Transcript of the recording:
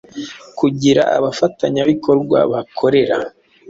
kugira abafatanyabikorwa bakorera